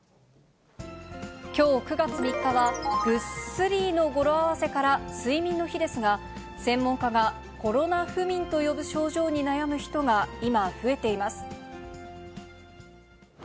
きょう９月３日は、ぐっすりの語呂合わせから、睡眠の日ですが、専門家がコロナ不眠と呼ぶ症状に悩む人が、今、増えています。